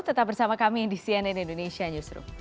tetap bersama kami di cnn indonesia newsroom